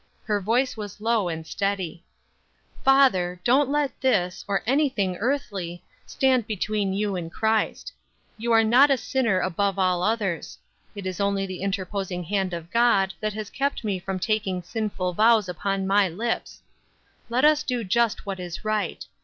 Her voice was low and steady: "Father, don't let this, or anything earthly, stand between you and Christ. You are not a sinner above all others. It is only the interposing hand of God that has kept me from taking sinful vows upon my lips. Let us do just what is right.